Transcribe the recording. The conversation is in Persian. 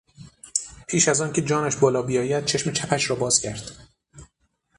پیش از آن که جانش بالا بیاید چشم چپش را باز کرد.